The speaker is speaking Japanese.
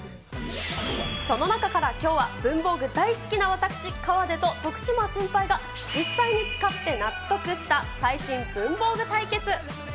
その中からきょうは、文房具大好きな私、河出と徳島先輩が、実際に使って納得した最新文房具対決。